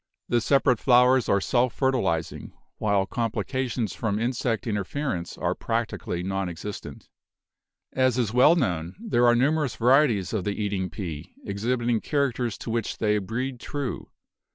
The separate flowers are self fertilizing, while complications from insect interference are practi cally non existent. As is well known, there are numer ous varieties of the eating pea exhibiting characters to which they breed true.